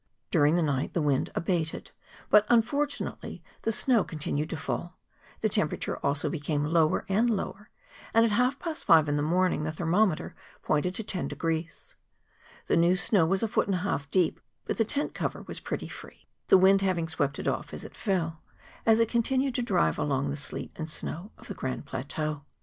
During the night the wind abated, but unfortunately the snow con¬ tinued to fall, the temperature also became lower and lower, and at half past five in the morning the thermometer pointed to 10°. The new snow was a foot and a half deep ; but the tent cover was pretty free, the wind having swept it off as it fell,' as it continued to drive along the sleet and snow of the Grand Plateau.